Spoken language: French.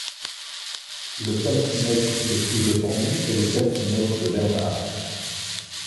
Le calcimètre le plus répandu est le calcimètre de Bernard.